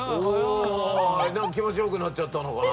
気持ち良くなっちゃったのかな？